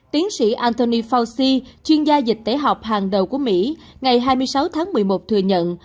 tiến sĩ antony fauci chuyên gia dịch tễ học hàng đầu của mỹ ngày hai mươi sáu tháng một mươi một thừa nhận